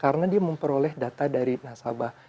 karena dia memperoleh data dari nasabah